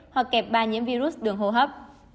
hoặc kẹp ba nhiễm virus đường hô hấp